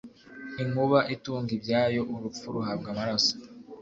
inkuba itunga ibyayo, urupfu ruhabwa amaraso.